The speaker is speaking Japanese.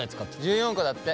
１４個だって。